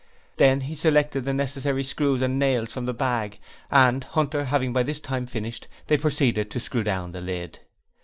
Then he selected the necessary screws and nails from the bag, and Hunter having by this time finished, they proceeded to screw down the lid.